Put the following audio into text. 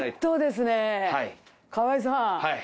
河井さん。